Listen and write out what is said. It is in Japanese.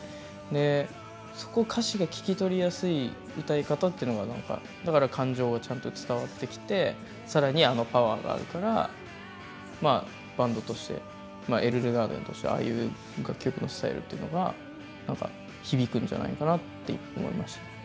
でそこを歌詞が聞き取りやすい歌い方ってのがなんかだから感情はちゃんと伝わってきて更にあのパワーがあるからまあバンドとしてＥＬＬＥＧＡＲＤＥＮとしてああいう楽曲のスタイルっていうのがなんか響くんじゃないのかなって思いました。